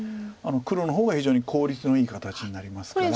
黒の方が非常に効率のいい形になりますから。